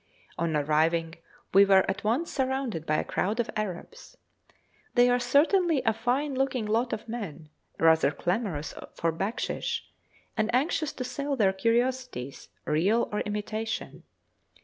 On arriving we were at once surrounded by a crowd of Arabs. They are certainly a fine looking lot of men, rather clamorous for backshish, and anxious to sell their curiosities, real or imitation.